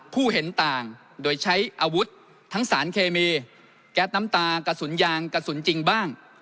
เห็นต่างโดยใช้อาวุธทั้งสารเคมีแก๊สน้ำตากระสุนยางกระสุนจริงบ้าง